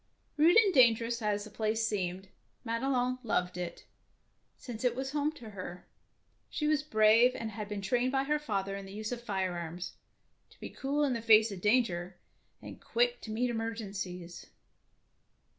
Rude and dangerous as the place seemed, Madelon loved it, since it was home to her. She was brave, and had been trained by her father in the use of firearms, to be cool in the face of danger and quick to meet emergencies.